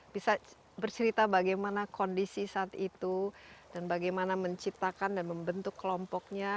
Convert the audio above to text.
bisa bercerita bagaimana kondisi saat itu dan bagaimana menciptakan dan membentuk kelompoknya